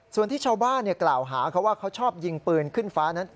ส่วนที่ชาวบ้านกล่าวหาเขาว่าเขาชอบยิงปืนขึ้นฟ้านั้น